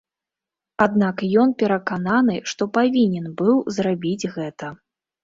Аднак ён перакананы, што павінен быў зрабіць гэта.